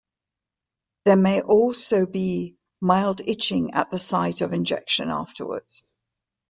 There may also be mild itching at the site of injection afterwards.